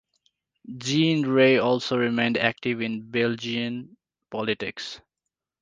Jean Rey also remained active in Belgian politics.